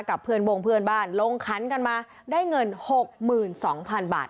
กับเพื่อนวงเพื่อนบ้านลงคันกันมาได้เงินหกหมื่นสองพันบาท